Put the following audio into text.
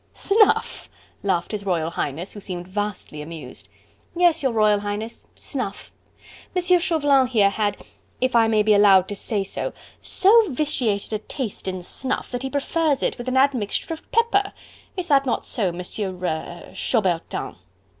"Snuff?" laughed His Royal Highness, who seemed vastly amused. "Yes, your Royal Highness... snuff... Monsieur Chauvelin here had if I may be allowed to say so so vitiated a taste in snuff that he prefers it with an admixture of pepper... Is that not so, Monsieur... er... Chaubertin?"